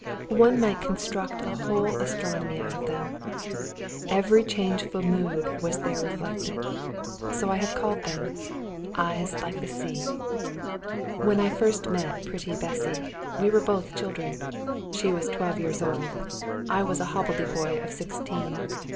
One might construct a whole astronomy out of them. Every changeful mood was there reflected; so I have called them "Eyes like the Sea." When first I met pretty Bessy, we were both children. She was twelve years old, I was a hobbledehoy of sixteen.